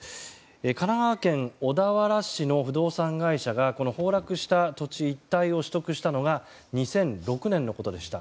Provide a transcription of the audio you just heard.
神奈川県小田原市の不動産会社が崩落した土地一帯を取得したのは２００６年のことでした。